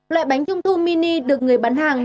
loại bánh trung thu mini được người bán hàng